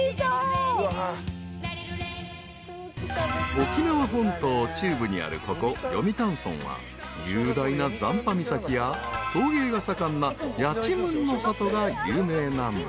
［沖縄本島中部にあるここ読谷村は雄大な残波岬や陶芸が盛んなやちむんの里が有名な村］